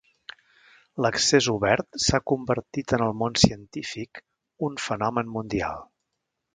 L'accés obert s'ha convertit en el món científic un fenomen mundial.